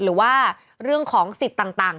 หรือว่าเรื่องของสิทธิ์ต่าง